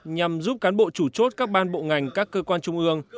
nhằm giúp cán bộ chủ chốt các ban bộ ngành các cơ quan trung ương